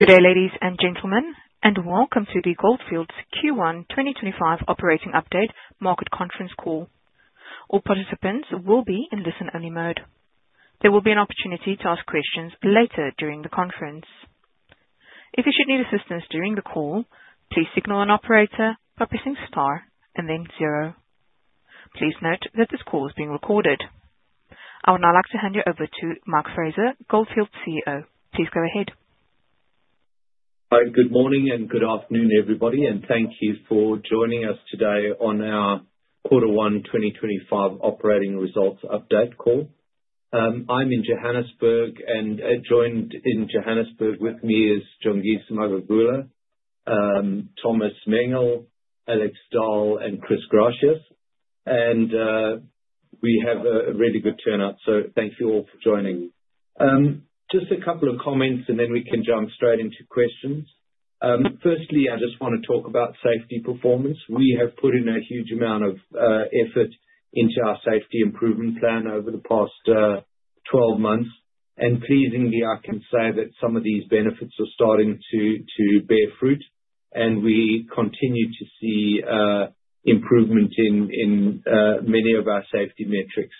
Good day, ladies and gentlemen, and welcome to the Gold Fields Q1 2025 Operating Update Market Conference Call. All participants will be in listen-only mode. There will be an opportunity to ask questions later during the conference. If you should need assistance during the call, please signal an operator by pressing star and then zero. Please note that this call is being recorded. I would now like to hand you over to Mike Fraser, Gold Fields CEO. Please go ahead. Hi, good morning and good afternoon, everybody, and thank you for joining us today on our Quarter One 2025 Operating Results Update Call. I'm in Johannesburg, and joined in Johannesburg with me is Jongisa Magagula, Thomas Mengel, Alex Dall, and Chris Gratias. And we have a really good turnout, so thank you all for joining. Just a couple of comments, and then we can jump straight into questions. Firstly, I just want to talk about safety performance. We have put in a huge amount of effort into our safety improvement plan over the past 12 months, and pleasingly, I can say that some of these benefits are starting to bear fruit, and we continue to see improvement in many of our safety metrics.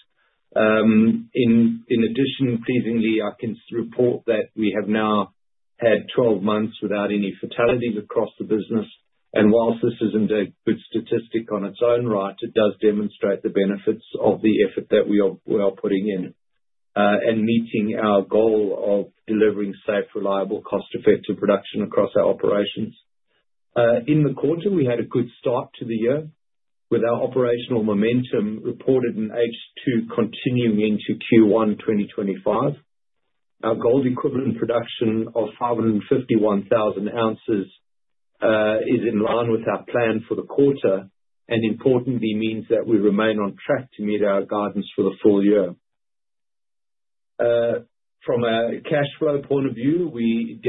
In addition, pleasingly, I can report that we have now had 12 months without any fatalities across the business, and while this isn't a good statistic on its own right, it does demonstrate the benefits of the effort that we are putting in and meeting our goal of delivering safe, reliable, cost-effective production across our operations. In the quarter, we had a good start to the year with our operational momentum reported in H2 continuing into Q1 2025. Our gold-equivalent production of 551,000 oz is in line with our plan for the quarter, and importantly, means that we remain on track to meet our guidance for the full year. From a cash flow point of view, we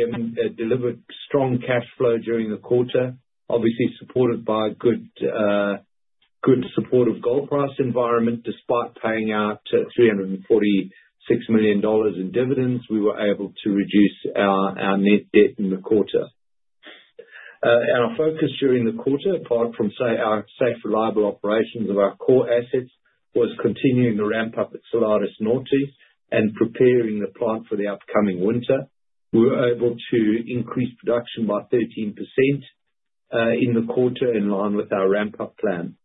delivered strong cash flow during the quarter, obviously supported by a good support of gold price environment. Despite paying out $346 million in dividends, we were able to reduce our net debt in the quarter. Our focus during the quarter, apart from our safe, reliable operations of our core assets, was continuing to ramp up at Salares Norte and preparing the plant for the upcoming winter. We were able to increase production by 13% in the quarter in line with our ramp-up plan.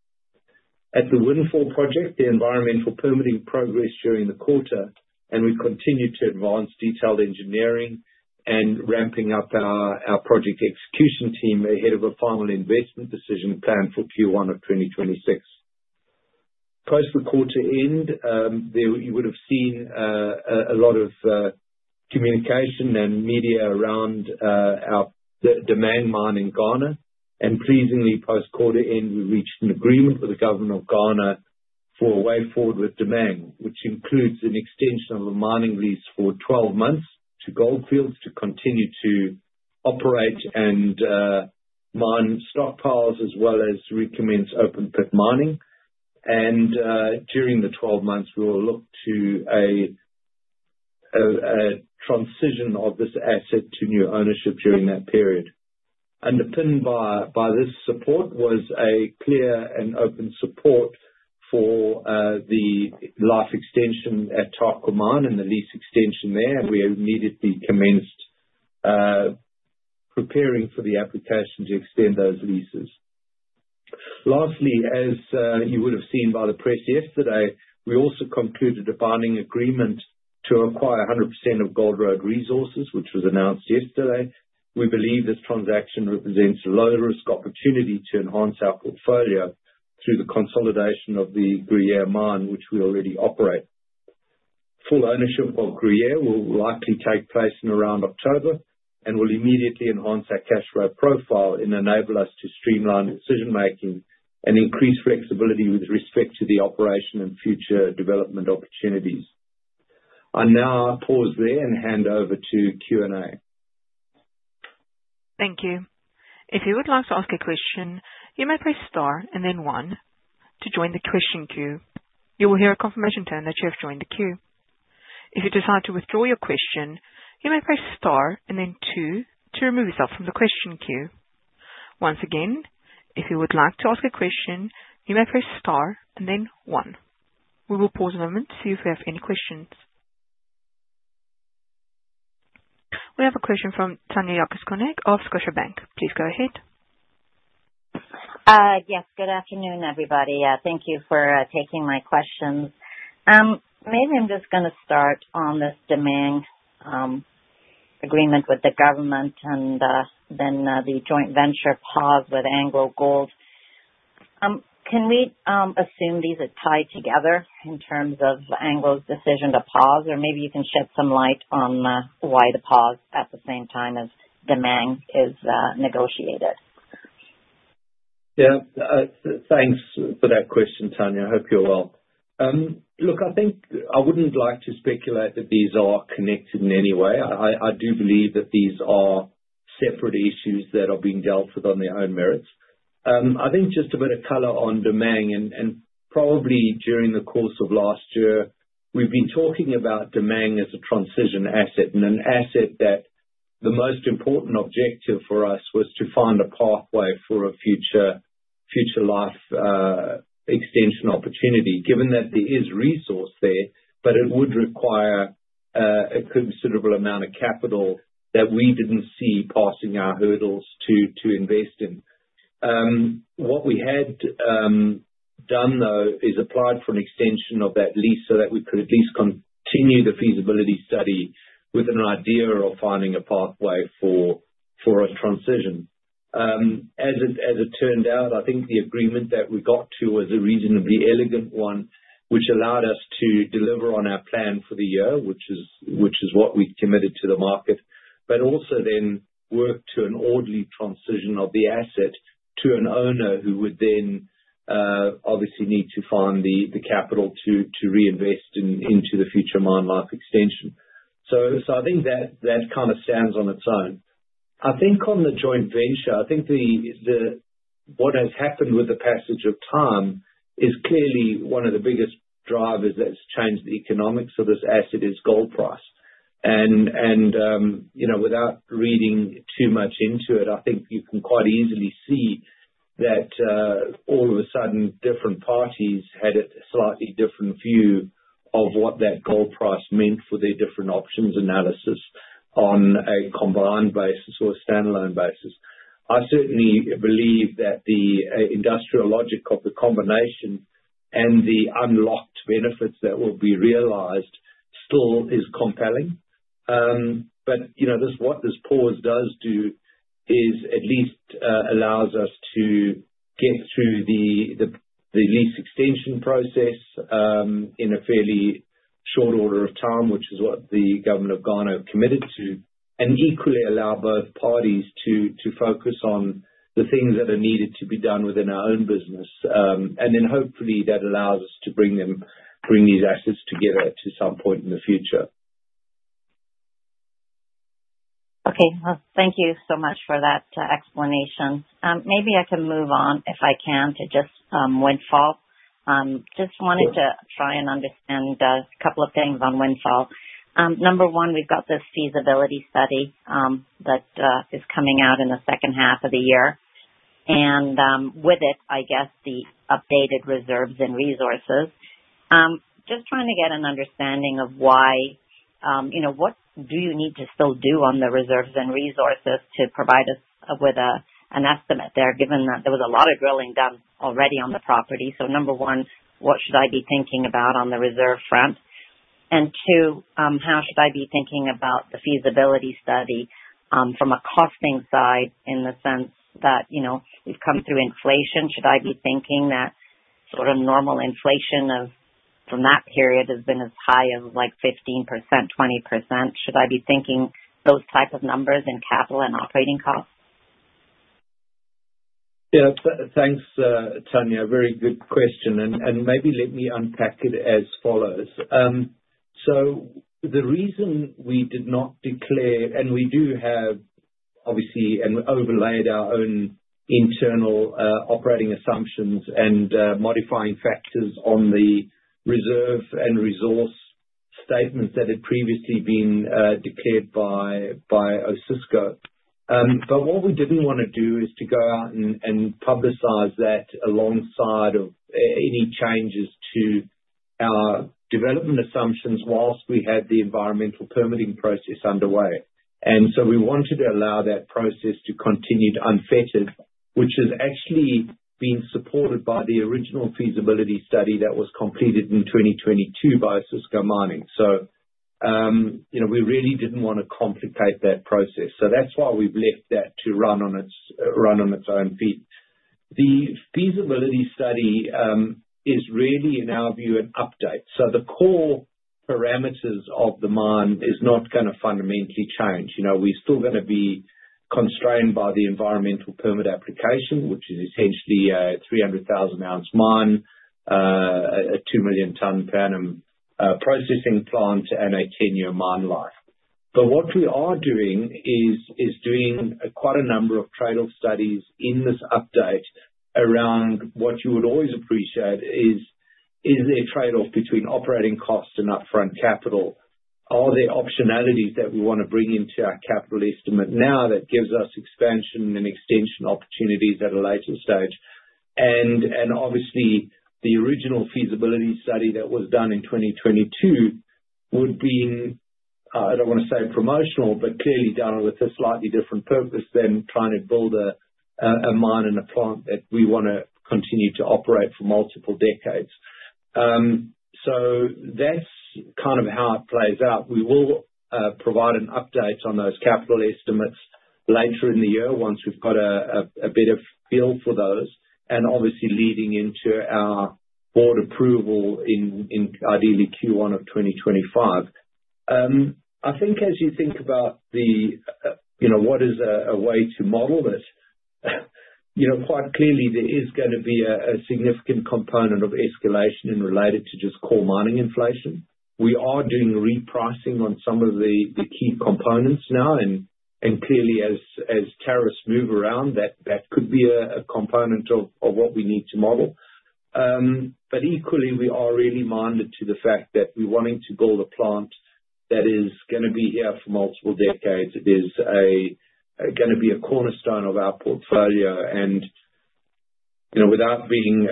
At the Windfall project, the environmental permitting progressed during the quarter, and we continued to advance detailed engineering and ramping up our project execution team ahead of a final investment decision planned for Q1 of 2026. Post the quarter end, you would have seen a lot of communication and media around our Damang Mine in Ghana, and pleasingly, post quarter end, we reached an agreement with the government of Ghana for a way forward with Damang, which includes an extension of a mining lease for 12 months to Gold Fields to continue to operate and mine stockpiles as well as recommence open-pit mining. During the 12 months, we will look to a transition of this asset to new ownership during that period. Underpinned by this support was a clear and open support for the life extension at Tarkwa Mine and the lease extension there, and we immediately commenced preparing for the application to extend those leases. Lastly, as you would have seen by the press yesterday, we also concluded a binding agreement to acquire 100% of Gold Road Resources, which was announced yesterday. We believe this transaction represents a low-risk opportunity to enhance our portfolio through the consolidation of the Gruyere Mine, which we already operate. Full ownership of Gruyere will likely take place in around October and will immediately enhance our cash flow profile and enable us to streamline decision-making and increase flexibility with respect to the operation and future development opportunities. I'll now pause there and hand over to Q&A. Thank you. If you would like to ask a question, you may press star and then one to join the question queue. You will hear a confirmation tone that you have joined the queue. If you decide to withdraw your question, you may press star and then two to remove yourself from the question queue. Once again, if you would like to ask a question, you may press star and then one. We will pause a moment to see if we have any questions. We have a question from Tanya Jakusconek of Scotiabank. Please go ahead. Yes, good afternoon, everybody. Thank you for taking my questions. Maybe I'm just going to start on this Damang agreement with the government and then the joint venture pause with AngloGold. Can we assume these are tied together in terms of Anglo's decision to pause, or maybe you can shed some light on why the pause at the same time as Damang is negotiated? Yeah, thanks for that question, Tanya. I hope you're well. Look, I think I wouldn't like to speculate that these are connected in any way. I do believe that these are separate issues that are being dealt with on their own merits. I think just a bit of color on Damang, and probably during the course of last year, we've been talking about Damang as a transition asset and an asset that the most important objective for us was to find a pathway for a future life extension opportunity, given that there is resource there, but it would require a considerable amount of capital that we didn't see passing our hurdles to invest in. What we had done, though, is applied for an extension of that lease so that we could at least continue the feasibility study with an idea of finding a pathway for a transition. As it turned out, I think the agreement that we got to was a reasonably elegant one, which allowed us to deliver on our plan for the year, which is what we committed to the market, but also then worked to an orderly transition of the asset to an owner who would then obviously need to find the capital to reinvest into the future mine life extension. So, I think that kind of stands on its own. I think on the joint venture, I think what has happened with the passage of time is clearly one of the biggest drivers that's changed the economics of this asset, is gold price. And without reading too much into it, I think you can quite easily see that all of a sudden, different parties had a slightly different view of what that gold price meant for their different options analysis on a combined basis or a standalone basis. I certainly believe that the industrial logic of the combination and the unlocked benefits that will be realized still is compelling. But what this pause does do is at least allows us to get through the lease extension process in a fairly short order of time, which is what the government of Ghana committed to, and equally allow both parties to focus on the things that are needed to be done within our own business. And then hopefully that allows us to bring these assets together to some point in the future. Okay, well, thank you so much for that explanation. Maybe I can move on, if I can, to just Windfall. Just wanted to try and understand a couple of things on Windfall. Number one, we've got this feasibility study that is coming out in the second half of the year, and with it, I guess, the updated reserves and resources. Just trying to get an understanding of why, what do you need to still do on the reserves and resources to provide us with an estimate there, given that there was a lot of drilling done already on the property? So number one, what should I be thinking about on the reserve front? And two, how should I be thinking about the feasibility study from a costing side in the sense that we've come through inflation? Should I be thinking that sort of normal inflation from that period has been as high as like 15%-20%? Should I be thinking those type of numbers in capital and operating costs? Yeah, thanks, Tanya. Very good question. And maybe let me unpack it as follows. So, the reason we did not declare, and we do have obviously and we overlaid our own internal operating assumptions and modifying factors on the reserve and resource statements that had previously been declared by Osisko. But what we didn't want to do is to go out and publicize that alongside of any changes to our development assumptions while we had the environmental permitting process underway. And so we wanted to allow that process to continue unfettered, which has actually been supported by the original feasibility study that was completed in 2022 by Osisko Mining. So, we really didn't want to complicate that process. So, that's why we've left that to run on its own feet. The feasibility study is really, in our view, an update. The core parameters of the mine are not going to fundamentally change. We're still going to be constrained by the environmental permit application, which is essentially a 300,000-oz mine, a 2-million-tonne per annum processing plant, and a 10-year mine life. But what we are doing is doing quite a number of trade-off studies in this update around what you would always appreciate is the trade-off between operating costs and upfront capital. Are there optionalities that we want to bring into our capital estimate now that gives us expansion and extension opportunities at a later stage? And obviously, the original feasibility study that was done in 2022 would be, I don't want to say promotional, but clearly done with a slightly different purpose than trying to build a mine and a plant that we want to continue to operate for multiple decades. So, that's kind of how it plays out. We will provide an update on those capital estimates later in the year once we've got a better feel for those, and obviously leading into our board approval in ideally Q1 of 2025. I think as you think about what is a way to model this, quite clearly there is going to be a significant component of escalation related to just core mining inflation. We are doing repricing on some of the key components now, and clearly as tariffs move around, that could be a component of what we need to model. But equally, we are really minded to the fact that we're wanting to build a plant that is going to be here for multiple decades. It is going to be a cornerstone of our portfolio. Without being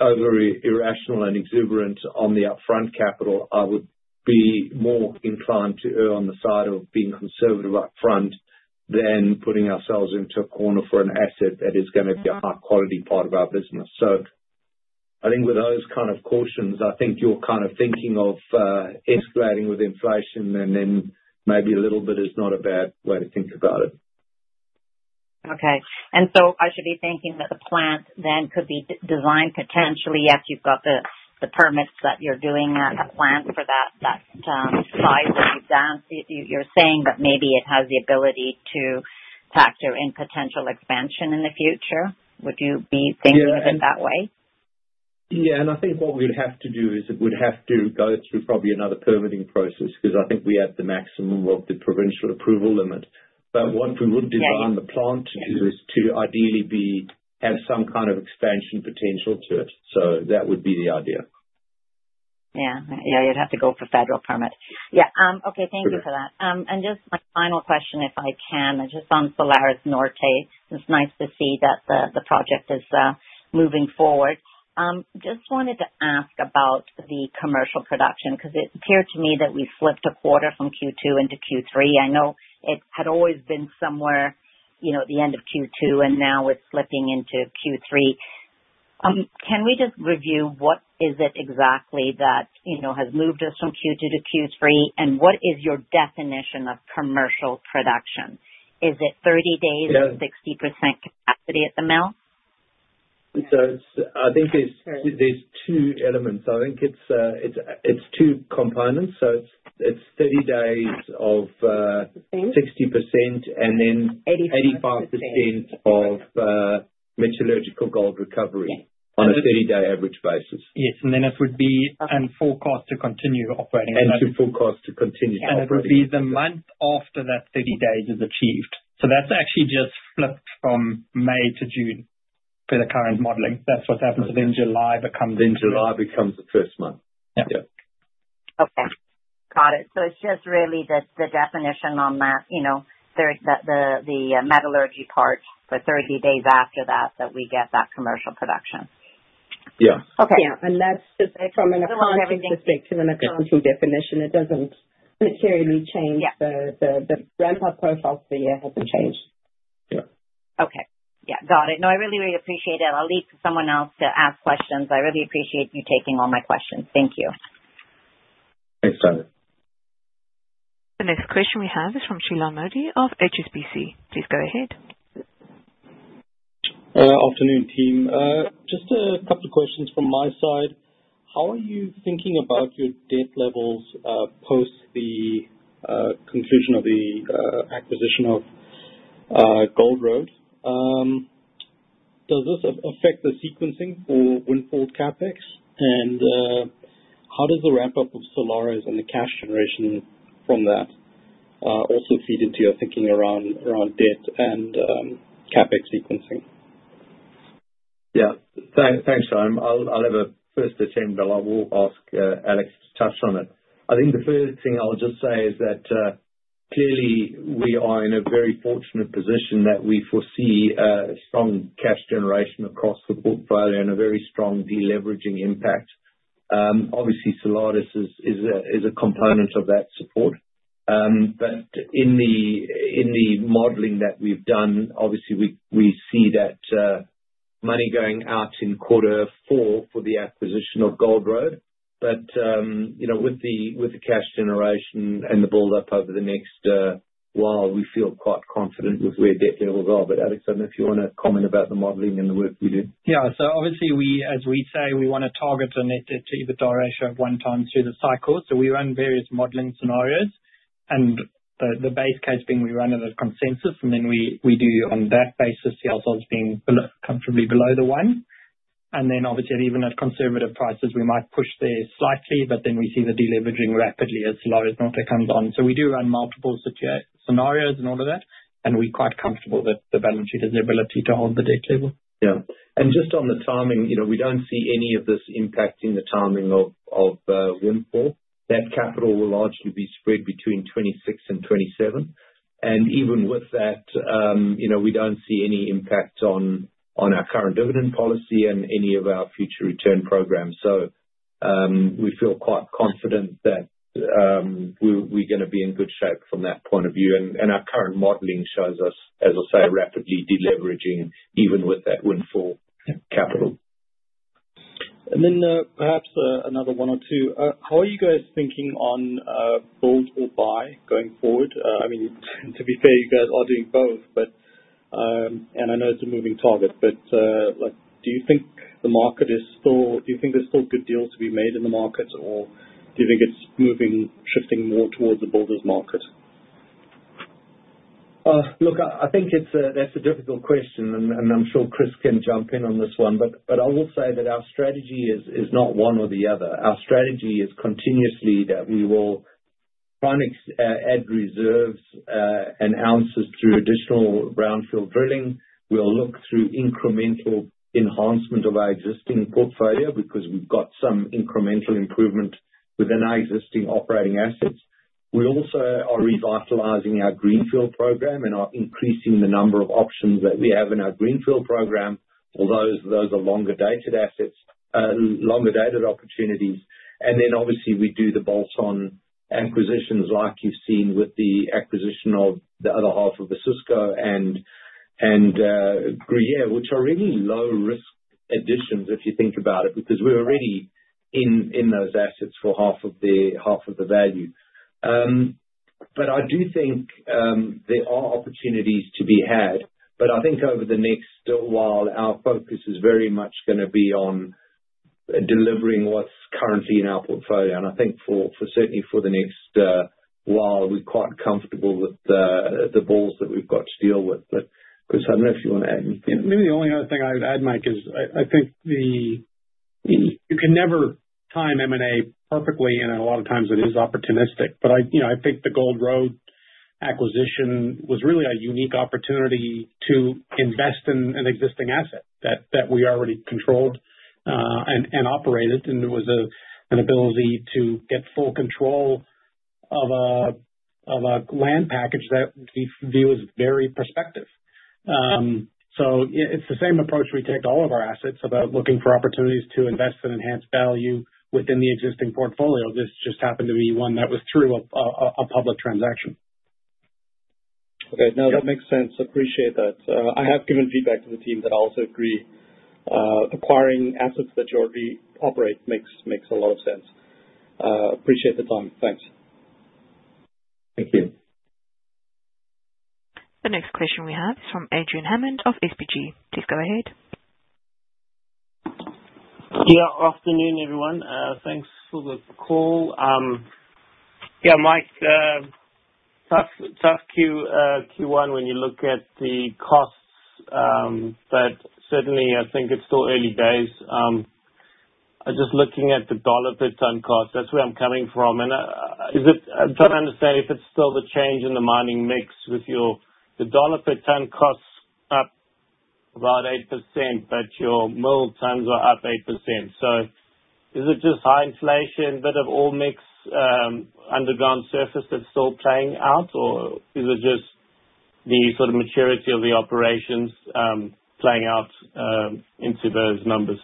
overly irrational and exuberant on the upfront capital, I would be more inclined to err on the side of being conservative upfront than putting ourselves into a corner for an asset that is going to be a high-quality part of our business. I think with those kind of cautions, I think you're kind of thinking of escalating with inflation, and then maybe a little bit is not a bad way to think about it. Okay, and so I should be thinking that the plant then could be designed potentially after you've got the permits that you're doing at the plant for that size that you've done. You're saying that maybe it has the ability to factor in potential expansion in the future. Would you be thinking of it that way? Yeah, and I think what we would have to do is it would have to go through probably another permitting process because I think we have the maximum of the provincial approval limit. But what we would design the plant to do is to ideally have some kind of expansion potential to it. So, that would be the idea. Yeah, yeah, you'd have to go for federal permit. Yeah. Okay, thank you for that. And just my final question, if I can. Just on Salares Norte, it's nice to see that the project is moving forward. Just wanted to ask about the commercial production because it appeared to me that we slipped a quarter from Q2 into Q3. I know it had always been somewhere at the end of Q2, and now we're slipping into Q3. Can we just review what is it exactly that has moved us from Q2 to Q3, and what is your definition of commercial production? Is it 30 days, 60% capacity at the mill? So, I think there's two elements. I think it's two components. So it's 30 days of 60% and then 85% of metallurgical gold recovery on a 30-day average basis. Yes. And then it would be full cost to continue operating. The full cost to continue operating. And it would be the month after that 30 days is achieved. So, that's actually just flipped from May to June for the current modeling. That's what's happened. So, then July becomes. Then July becomes the first month. Yeah. Okay. Got it. So it's just really the definition on that, the metallurgy part for 30 days after that that we get that commercial production. Yeah. Yeah. And that's just from an accounting perspective, an accounting definition. It doesn't necessarily change. The ramp-up profile for the year hasn't changed. Yeah. Okay. Yeah. Got it. No, I really appreciate it. I'll leave to someone else to ask questions. I really appreciate you taking all my questions. Thank you. Thanks, Tanya. The next question we have is from Shilan Modi of HSBC. Please go ahead. Afternoon, team. Just a couple of questions from my side. How are you thinking about your debt levels post the conclusion of the acquisition of Gold Road? Does this affect the sequencing for Windfall CapEx? And how does the ramp-up of Salares Norte and the cash generation from that also feed into your thinking around debt and CapEx sequencing? Yeah. Thanks, Shilan. I'll have a first attempt, but I will ask Alex to touch on it. I think the first thing I'll just say is that clearly we are in a very fortunate position that we foresee strong cash generation across the portfolio and a very strong deleveraging impact. Obviously, Salares is a component of that support. But in the modeling that we've done, obviously we see that money going out in quarter four for the acquisition of Gold Road. But with the cash generation and the build-up over the next while, we feel quite confident with where debt levels are. But Alex, I don't know if you want to comment about the modeling and the work we do. Yeah. So, obviously, as we say, we want to target a net debt to EBITDA ratio of one times through the cycle. So, we run various modeling scenarios. And the base case being we run at a consensus, and then we do on that basis the other ones being comfortably below the one. And then obviously, even at conservative prices, we might push there slightly, but then we see the deleveraging rapidly as Salares Norte comes on. So we do run multiple scenarios and all of that, and we're quite comfortable that the balance sheet has the ability to hold the debt level. Yeah. And just on the timing, we don't see any of this impacting the timing of Windfall. That capital will largely be spread between 2026 and 2027. And even with that, we don't see any impact on our current dividend policy and any of our future return programs. So, we feel quite confident that we're going to be in good shape from that point of view. And our current modeling shows us, as I say, rapidly deleveraging even with that Windfall capital. Then perhaps another one or two. How are you guys thinking on build or buy going forward? I mean, to be fair, you guys are doing both, and I know it's a moving target, but do you think there's still good deals to be made in the market, or do you think it's moving, shifting more towards a builders market? Look, I think that's a difficult question, and I'm sure Chris can jump in on this one, but I will say that our strategy is not one or the other. Our strategy is continuously that we will try and add reserves and ounces through additional brownfield drilling. We'll look through incremental enhancement of our existing portfolio because we've got some incremental improvement within our existing operating assets. We also are revitalizing our greenfield program and are increasing the number of options that we have in our greenfield program, although those are longer-dated opportunities, and then obviously, we do the bolt-on acquisitions like you've seen with the acquisition of the other half of Osisko and Gruyere, which are really low-risk additions if you think about it because we're already in those assets for half of the value, but I do think there are opportunities to be had. But I think over the next while, our focus is very much going to be on delivering what's currently in our portfolio. And I think certainly for the next while, we're quite comfortable with the balls that we've got to deal with. But Chris, I don't know if you want to add anything. Maybe the only other thing I would add, Mike, is I think you can never time M&A perfectly, and a lot of times it is opportunistic. But I think the Gold Road acquisition was really a unique opportunity to invest in an existing asset that we already controlled and operated. And it was an ability to get full control of a land package that we view as very prospective. So it's the same approach we take to all of our assets about looking for opportunities to invest and enhance value within the existing portfolio. This just happened to be one that was through a public transaction. Okay. Now that makes sense. Appreciate that. I have given feedback to the team that I also agree acquiring assets that you already operate makes a lot of sense. Appreciate the time. Thanks. Thank you. The next question we have is from Adrian Hammond of SBG. Please go ahead. Yeah. Afternoon, everyone. Thanks for the call. Yeah, Mike, tough Q1 when you look at the costs, but certainly I think it's still early days. Just looking at the $ per ton cost, that's where I'm coming from. And I'm trying to understand if it's still the change in the mining mix with your $ per ton costs up about 8%, but your mill tons are up 8%. So, is it just high inflation, a bit of ore mix underground surface that's still playing out, or is it just the sort of maturity of the operations playing out into those numbers?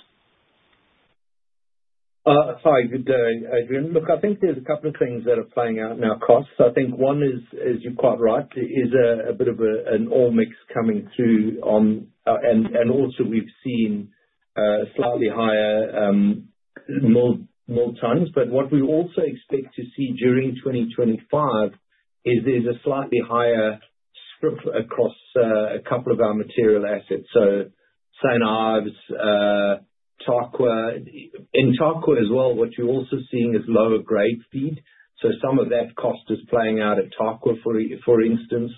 Hi. Good day, Adrian. Look, I think there's a couple of things that are playing out now, costs. I think one is, as you're quite right, is a bit of an ore mix coming through. And also we've seen slightly higher mill tons. But what we also expect to see during 2025 is there's a slightly higher strip across a couple of our material assets. So St. Ives, Tarkwa. In Tarkwa as well, what you're also seeing is lower grade feed. So some of that cost is playing out at Tarkwa, for instance.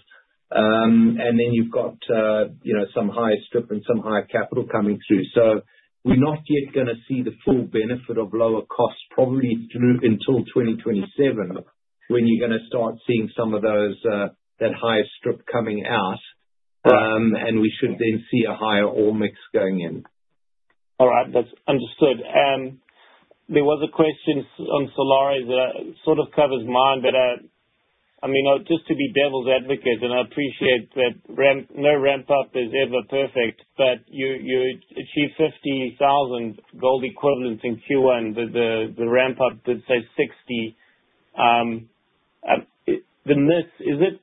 And then you've got some higher strip and some higher capital coming through. So we're not yet going to see the full benefit of lower costs probably until 2027 when you're going to start seeing some of that higher strip coming out, and we should then see a higher ore mix going in. All right. That's understood. There was a question on Salares that sort of covers Damang, but I mean, just to be devil's advocate, and I appreciate that no ramp-up is ever perfect, but you achieved 50,000 gold equivalent in Q1, but the ramp-up did say 60. The miss,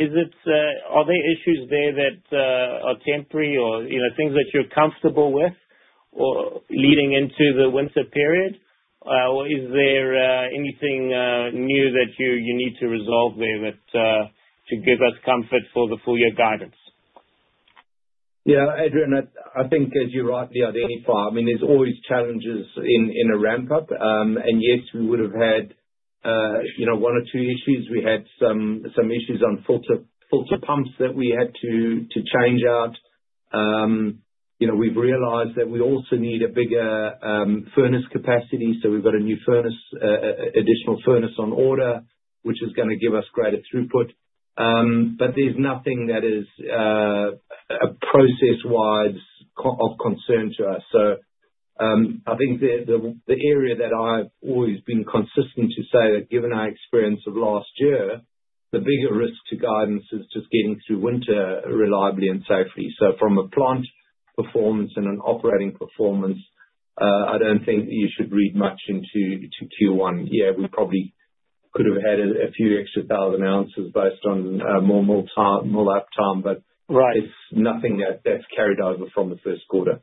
are there issues there that are temporary or things that you're comfortable with leading into the winter period? Or is there anything new that you need to resolve there to give us comfort for the full year guidance? Yeah, Adrian, I think you're right, there are many factors. I mean, there's always challenges in a ramp-up, and yes, we would have had one or two issues. We had some issues on filter pumps that we had to change out. We've realized that we also need a bigger furnace capacity, so we've got a new furnace, additional furnace on order, which is going to give us greater throughput, but there's nothing that is a process-wise of concern to us. So, I think the area that I've always been consistent to say that, given our experience of last year, the bigger risk to guidance is just getting through winter reliably and safely. So, from a plant performance and an operating performance, I don't think you should read much into Q1. Yeah, we probably could have had a few extra thousand ounces based on more mill uptime, but it's nothing that's carried over from the first quarter.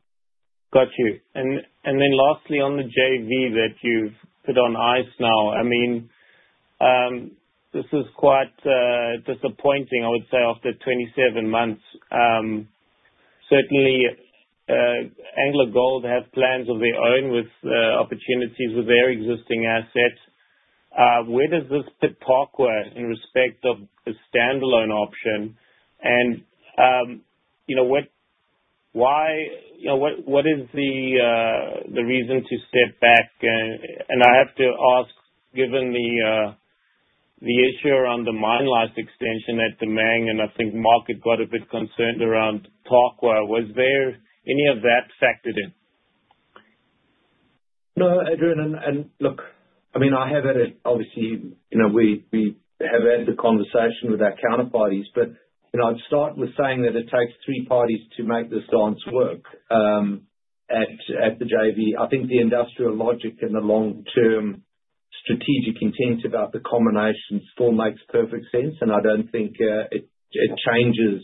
Got you. And then lastly, on the JV that you've put on ice now, I mean, this is quite disappointing, I would say, after 27 months. Certainly, AngloGold has plans of their own with opportunities with their existing assets. Where does this put Tarkwa in respect of the standalone option? And what is the reason to step back? And I have to ask, given the issue around the mine last extension at the Damang, and I think Mike had got a bit concerned around Tarkwa, was there any of that factored in? No, Adrian. And look, I mean, I have added obviously, we have had the conversation with our counterparties, but I'd start with saying that it takes three parties to make this dance work at the JV. I think the industrial logic and the long-term strategic intent about the combination still makes perfect sense. And I don't think it changes,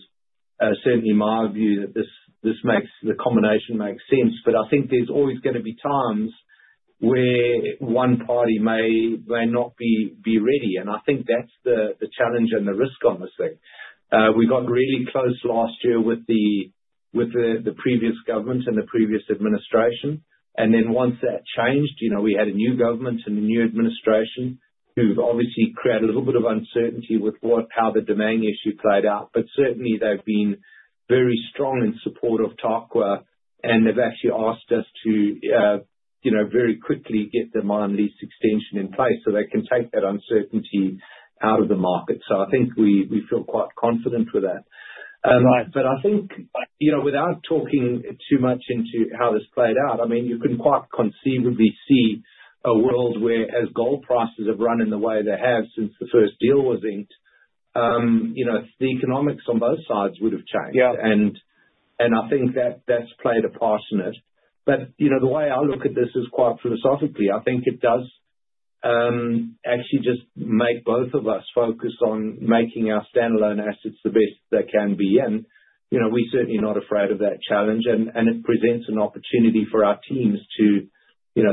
certainly my view, that this makes the combination makes sense. But I think there's always going to be times where one party may not be ready. And I think that's the challenge and the risk on this thing. We got really close last year with the previous government and the previous administration. And then once that changed, we had a new government and a new administration who've obviously created a little bit of uncertainty with how the Damang issue played out. But certainly, they've been very strong in support of Tarkwa, and they've actually asked us to very quickly get the mine lease extension in place so they can take that uncertainty out of the market. So, I think we feel quite confident with that. But I think without talking too much into how this played out, I mean, you can quite conceivably see a world where, as gold prices have run in the way they have since the first deal was inked, the economics on both sides would have changed. And I think that's played a part in it. But the way I look at this is quite philosophically. I think it does actually just make both of us focus on making our standalone assets the best they can be in. We're certainly not afraid of that challenge, and it presents an opportunity for our teams to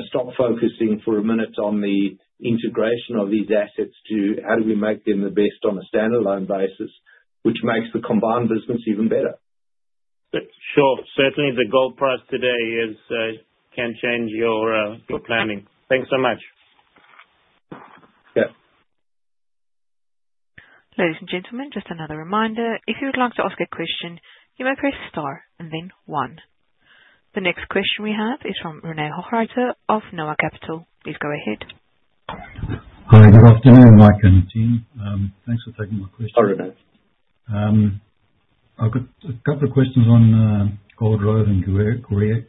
stop focusing for a minute on the integration of these assets to how do we make them the best on a standalone basis, which makes the combined business even better. Sure. Certainly, the gold price today can change your planning. Thanks so much. Yeah. Ladies and gentlemen, just another reminder. If you would like to ask a question, you may press star and then one. The next question we have is from René Hochreiter of Noah Capital. Please go ahead. Hi. Good afternoon, Mike and team. Thanks for taking my question. Hi, René. I've got a couple of questions on Gold Road and Gruyere.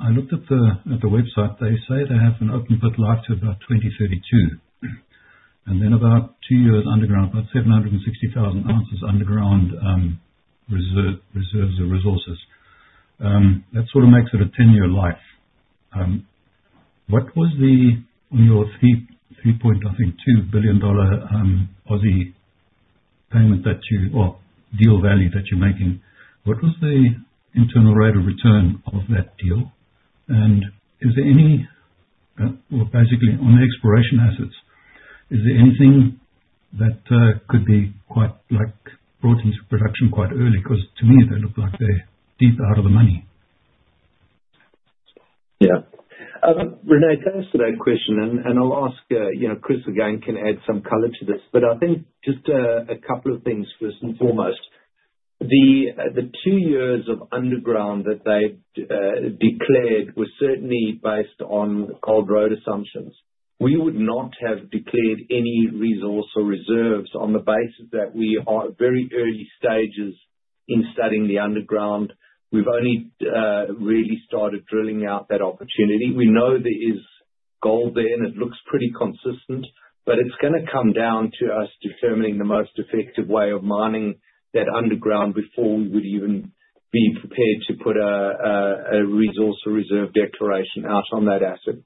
I looked at the website. They say they have an open pit life to about 2032, and then about two years underground, about 760,000 oz underground reserves or resources. That sort of makes it a 10-year life. What was the, on your three-point, I think, $2 billion payment that you, or deal value that you're making, what was the internal rate of return of that deal? And is there any, well, basically on the exploration assets, is there anything that could be brought into production quite early? Because to me, they look like they're deep out of the money. Yeah. René, thanks for that question. And I'll ask Chris again can add some color to this. But I think just a couple of things, first and foremost. The two years of underground that they've declared were certainly based on Gold Road assumptions. We would not have declared any resource or reserves on the basis that we are very early stages in studying the underground. We've only really started drilling out that opportunity. We know there is gold there, and it looks pretty consistent, but it's going to come down to us determining the most effective way of mining that underground before we would even be prepared to put a resource or reserve declaration out on that asset.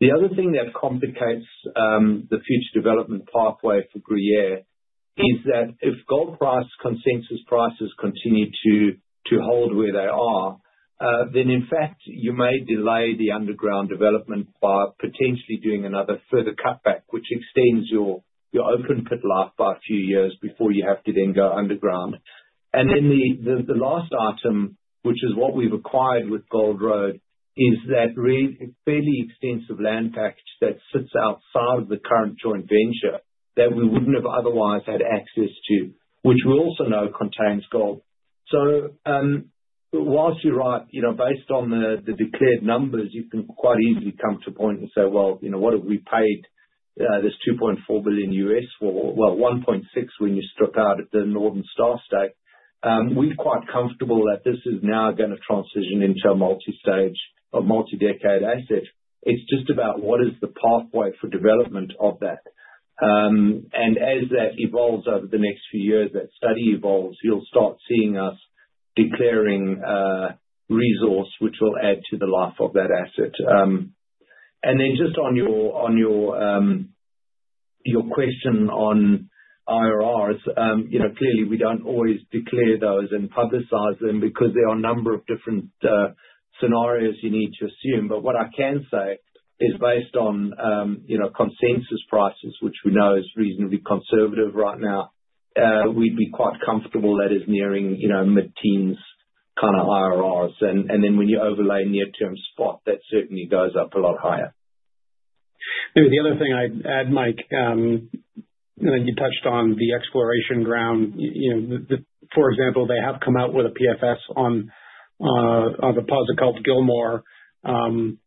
The other thing that complicates the future development pathway for Gruyere is that if gold price consensus prices continue to hold where they are, then in fact, you may delay the underground development by potentially doing another further cutback, which extends your open pit life by a few years before you have to then go underground. And then the last item, which is what we've acquired with Gold Road, is that fairly extensive land package that sits outside of the current joint venture that we wouldn't have otherwise had access to, which we also know contains gold. So, while you're right, based on the declared numbers, you can quite easily come to a point and say, "Well, what have we paid this $2.4 billion?" Well, $1.6 billion when you struck out the Northern Star stake. We're quite comfortable that this is now going to transition into a multi-stage or multi-decade asset. It's just about what is the pathway for development of that. And as that evolves over the next few years, that study evolves, you'll start seeing us declaring resource, which will add to the life of that asset. And then just on your question on IRRs, clearly, we don't always declare those and publicize them because there are a number of different scenarios you need to assume. But what I can say is based on consensus prices, which we know is reasonably conservative right now, we'd be quite comfortable that is nearing mid-teens kind of IRRs. And then when you overlay near-term spot, that certainly goes up a lot higher. Maybe the other thing I'd add, Mike, you touched on the exploration ground. For example, they have come out with a positive PFS on the Gilmore.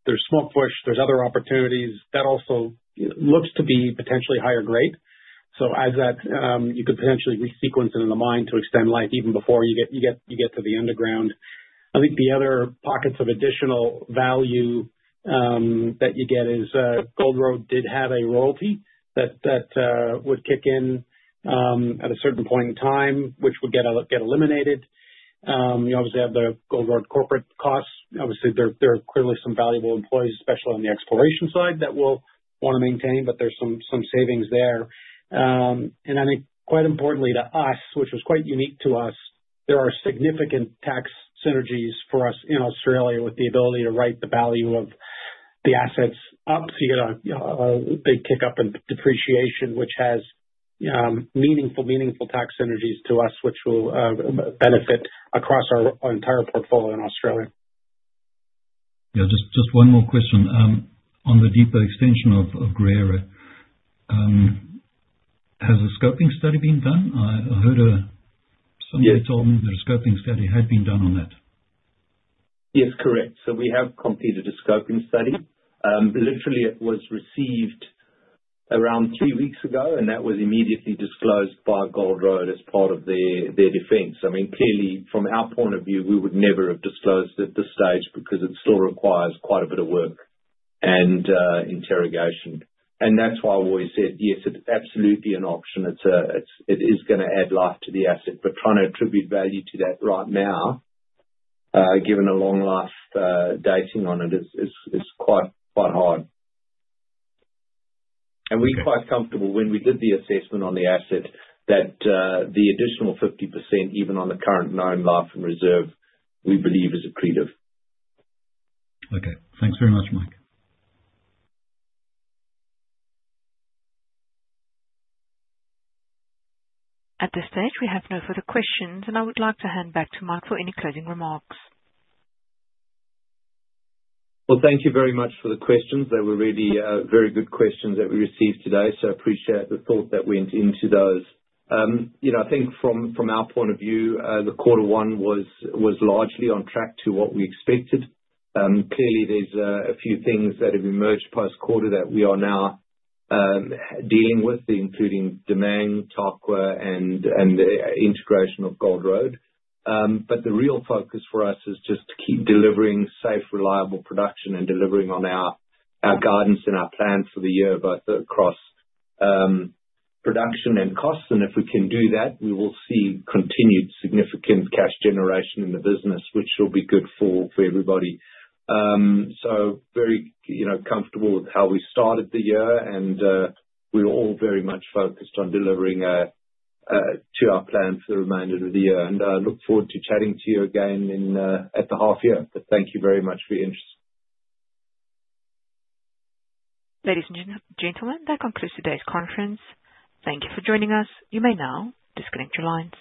There's Smokebush. There are other opportunities. That also looks to be potentially higher grade. So as that, you could potentially resequence it in the mine to extend life even before you get to the underground. I think the other pockets of additional value that you get is Gold Road did have a royalty that would kick in at a certain point in time, which would get eliminated. You obviously have the Gold Road corporate costs. Obviously, there are clearly some valuable employees, especially on the exploration side, that will want to maintain, but there's some savings there. I think, quite importantly to us, which was quite unique to us, there are significant tax synergies for us in Australia with the ability to write the value of the assets up, so you get a big kick-up in depreciation, which has meaningful tax synergies to us, which will benefit across our entire portfolio in Australia. Just one more question. On the deeper extension of Gruyere, has a scoping study been done? I heard somebody told me that a scoping study had been done on that. Yes, correct. So, we have completed a scoping study. Literally, it was received around three weeks ago, and that was immediately disclosed by Gold Road as part of their defense. I mean, clearly, from our point of view, we would never have disclosed at this stage because it still requires quite a bit of work and interrogation. And that's why we said, yes, it's absolutely an option. It is going to add life to the asset. But trying to attribute value to that right now, given a long life dating on it, is quite hard. And we're quite comfortable when we did the assessment on the asset that the additional 50%, even on the current known life and reserve, we believe is accretive. Okay. Thanks very much, Mike. At this stage, we have no further questions, and I would like to hand back to Mike for any closing remarks. Thank you very much for the questions. They were really very good questions that we received today. I appreciate the thought that went into those. I think from our point of view, the quarter one was largely on track to what we expected. Clearly, there's a few things that have emerged post-quarter that we are now dealing with, including Damang, Tarkwa, and the integration of Gold Road. But the real focus for us is just to keep delivering safe, reliable production and delivering on our guidance and our plan for the year both across production and costs. And if we can do that, we will see continued significant cash generation in the business, which will be good for everybody. Very comfortable with how we started the year, and we're all very much focused on delivering to our plan for the remainder of the year. I look forward to chatting to you again at the half year. Thank you very much for your interest. Ladies and gentlemen, that concludes today's conference. Thank you for joining us. You may now disconnect your lines.